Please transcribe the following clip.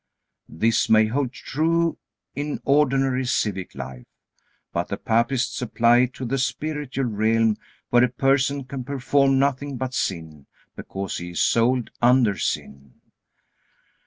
This may hold true in ordinary civic life. But the papists apply it to the spiritual realm where a person can perform nothing but sin, because he is sold under sin.